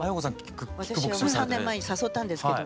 私はもう３年前に誘ったんですけど。